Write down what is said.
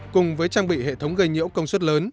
cùng với trang bị hệ thống gây nhiễu công suất lớn